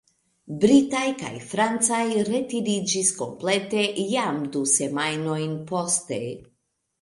Britaj kaj francaj retiriĝis komplete jam du semajnojn poste.